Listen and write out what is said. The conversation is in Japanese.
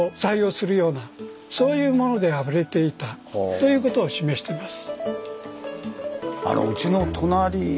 ということを示しています。